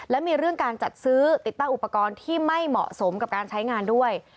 และมีเรื่องการจัดซื้อติดตั้งอุปกรณ์ที่ไม่เหมาะสมกับการใช้งานด้วย